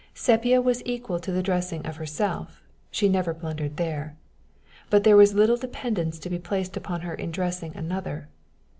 Sepia was equal to the dressing of herself she never blundered there; but there was little dependence to be placed upon her in dressing another.